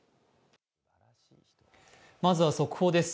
まずは速報です。